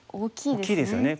大きいですよね。